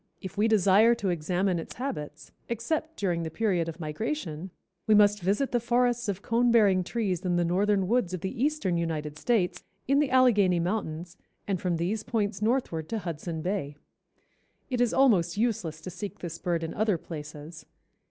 If we desire to examine its habits, except during the period of migration, we must visit the forests of cone bearing trees in the northern woods of the eastern United States, in the Allegheny mountains and from these points northward to Hudson Bay. It is almost useless to seek this bird in other places.